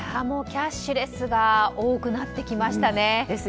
もう、キャッシュレスが多くなってきましたね。